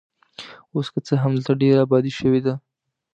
اوس که څه هم دلته ډېره ابادي شوې ده.